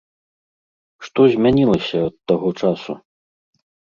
Што змянілася ад таго часу?